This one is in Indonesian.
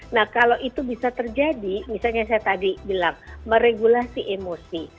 nah kalau itu bisa terjadi misalnya saya tadi bilang meregulasi emosi